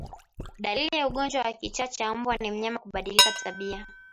Dalili ya ugonjwa wa kichaa cha mbwa ni mnyama kubadilika tabia